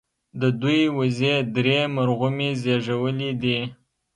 د دوي وزې درې مرغومي زيږولي دي